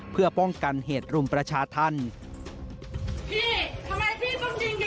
เพื่อป้องกันเหตุรุมประชาธรรม